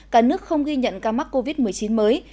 cả nước không ghi nhận ca mắc covid một mươi chín mới